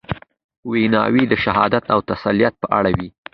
ویناوي د شهادت او تسلیت په اړه وې.